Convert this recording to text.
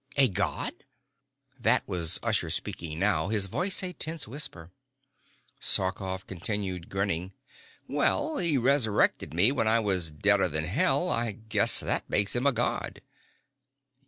"A god?" That was Usher speaking now, his voice a tense whisper. Sarkoff continued grinning. "Well, he resurrected me when I was deader than hell. I guess that makes him a god."